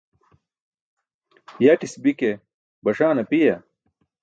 Yatis bi ke baṣaan apiya?